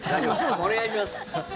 お願いします。